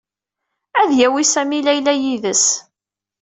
Ad d-yawi Sami Layla yid-s.